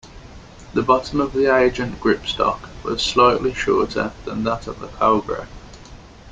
The bottom of the Agent gripstock was slightly shorter than that of the Cobra.